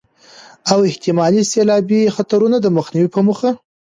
او احتمالي سيلابي خطرونو د مخنيوي په موخه